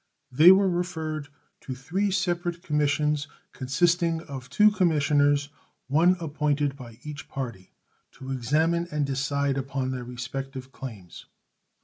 They were referred to three separate commissions consisting, of two commissioners, one appointed by each party, to examine and decide upon their respective claims.